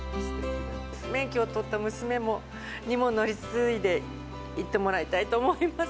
免許を取った娘にも、乗り継いでいってもらいたいと思います。